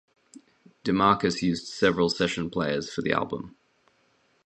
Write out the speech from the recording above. DeMarcus used several session players for the album.